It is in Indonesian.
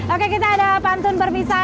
oke kita ada pantun berpisah nih